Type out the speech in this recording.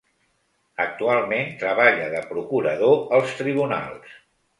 Actualment treballa de procurador als tribunals.